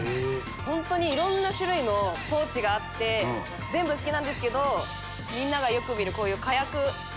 いろんな種類のポーチがあって全部好きなんですけどみんながよく見るかやく。